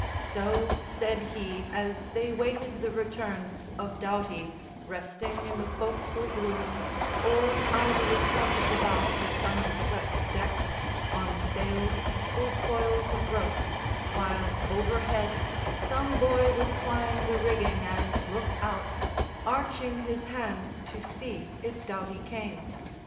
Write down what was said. So said he, as they waited the return Of Doughty, resting in the foc'sle gloom, Or idly couched about the sun swept decks On sails or coils of rope, while overhead Some boy would climb the rigging and look out, Arching his hand to see if Doughty came.